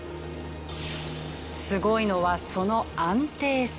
すごいのはその安定性。